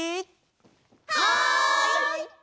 はい！